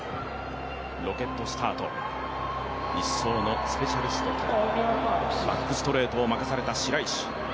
ロケットスタート、１走のスペシャリスト、多田、バックストレートを任された白石。